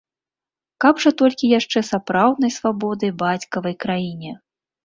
Каб жа толькі яшчэ сапраўднай свабоды бацькавай краіне!